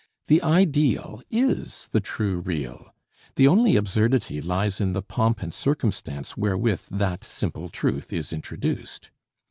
The ideal is the true real; the only absurdity lies in the pomp and circumstance wherewith that simple truth is introduced.